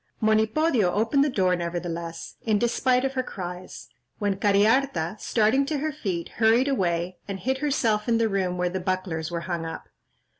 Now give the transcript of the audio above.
" Monipodio opened the door, nevertheless, in despite of her cries; when Cariharta, starting to her feet, hurried away, and hid herself in the room where the bucklers were hung up.